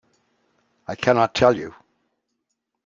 I cannot tell you.